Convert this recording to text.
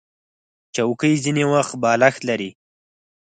چوکۍ ځینې وخت بالښت لري.